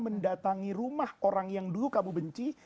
mendatangi rumah orang yang dulu kamu benci